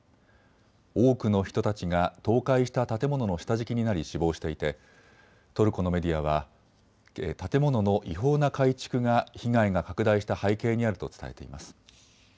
多くの人たちが倒壊した建物の下敷きになり死亡していてトルコのメディアは建物の違法な改築が被害が拡大した背景にあると伝えています。